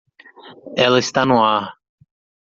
Ela está no ar.